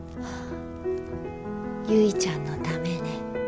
ゆいちゃんのためね。